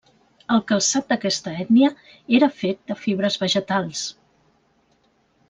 El calçat d'aquesta ètnia era fet de fibres vegetals.